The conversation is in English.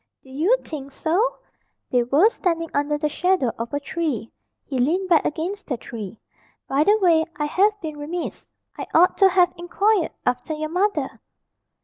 "Do you think so?" They were standing under the shadow of a tree. He leaned back against the tree. "By the way, I have been remiss. I ought to have inquired after your mother."